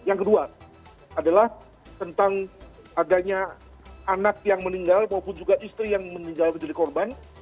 yang kedua adalah tentang adanya anak yang meninggal maupun juga istri yang meninggal menjadi korban